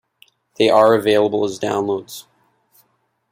They are available as downloads.